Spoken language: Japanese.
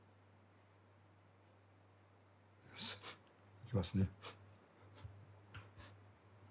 いきますね。